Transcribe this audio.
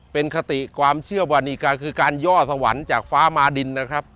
เป็นคติความเชื่อวานิกาคือการย่อสวรรค์จากฟ้ามาดินนะครับ